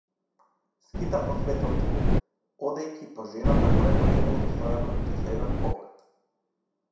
Скита по светот, одејќи по жената која го нема удостоено ниту со еден поглед.